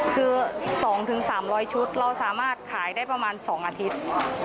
คือ๒๓๐๐ชุดเราสามารถขายได้ประมาณ๒อาทิตย์